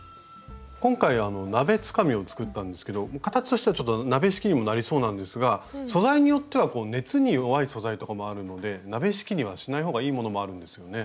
今回は鍋つかみを作ったんですけど形としてはちょっと鍋敷きにもなりそうなんですが素材によっては熱に弱い素材とかもあるので鍋敷きにはしない方がいいものもあるんですよね？